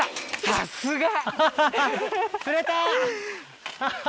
さすが！